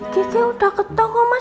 gizi udah ketok kok mas